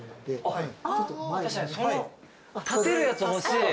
立てるやつ欲しい。